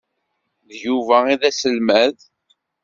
D Yuba ay d aselmad.